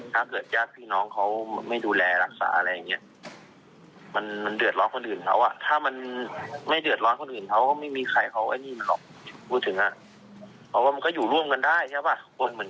แต่ทีนี้ว่ามันผมมองว่ามัน